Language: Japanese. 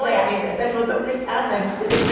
私も時々あなたに聞くでしょ？